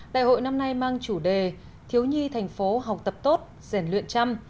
đại hội năm nay mang chủ đề thiếu nhi thành phố học tập tốt rèn luyện chăm